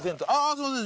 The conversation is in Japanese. すいません。